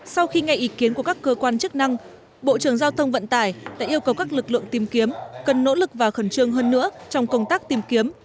sau khi nghe ý kiến của các cơ quan chức năng bộ trưởng giao thông vận tải đã yêu cầu các lực lượng tìm kiếm cần nỗ lực và khẩn trương hơn nữa trong công tác tìm kiếm